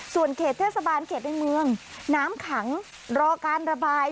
ส่วนเขตเทศบาลเขตในเมืองน้ำขังรอการระบาย